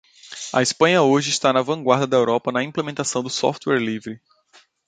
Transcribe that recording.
A Espanha hoje está na vanguarda da Europa na implementação do software livre.